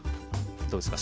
どうですか？